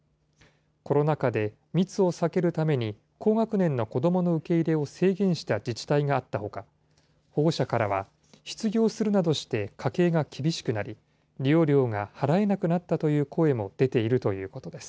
コロナ禍で、密を避けるために高学年の子どもの受け入れを制限した自治体があったほか、保護者からは、失業するなどして家計が厳しくなり、利用料が払えなくなったという声も出ているということです。